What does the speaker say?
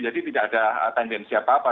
jadi tidak ada tendensi apa apa